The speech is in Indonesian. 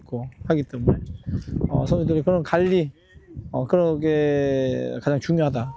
saya tidak mencoba untuk melakukan apa yang saya bisa